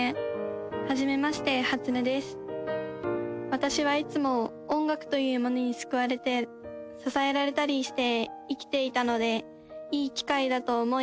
私はいつも音楽というものにすくわれて支えられたりして生きていたのでいいきかいだと思い